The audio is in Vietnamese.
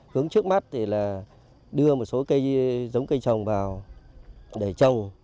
hướng trước mắt thì là đưa một số cây giống cây trồng vào để trồng